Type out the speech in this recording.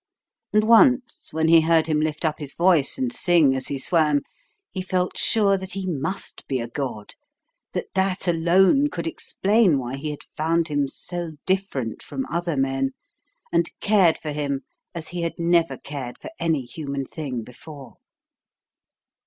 And once, when he heard him lift up his voice and sing as he swam, he felt sure that he must be a god that that alone could explain why he had found him so different from other men, and cared for him as he had never cared for any human thing before.